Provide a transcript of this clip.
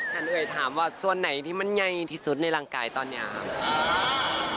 เอ่ยถามว่าส่วนไหนที่มันใหญ่ที่สุดในร่างกายตอนนี้ครับ